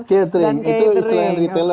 catering itu istilah yang retailer